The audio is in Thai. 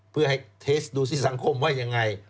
เพื่อให้เทสดูสิสังคมว่ายังไง